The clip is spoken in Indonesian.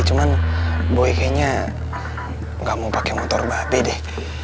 cuman boy kayaknya gak mau pakai motor babi deh